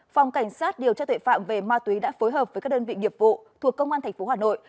phòng cảnh sát điều tra tuệ phạm về ma túy đã phối hợp với các đơn vị nghiệp vụ thuộc công an tp hà nội